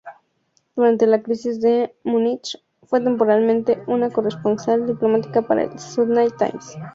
Durante la Crisis de Múnich, fue temporalmente, una corresponsal diplomática para el Sunday Times.